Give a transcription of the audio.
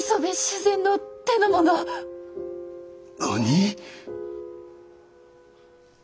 何！？